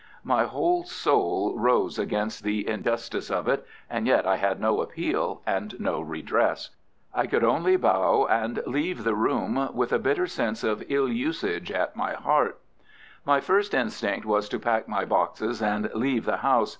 My whole soul rose against the injustice of it, and yet I had no appeal and no redress. I could only bow and leave the room, with a bitter sense of ill usage at my heart. My first instinct was to pack my boxes and leave the house.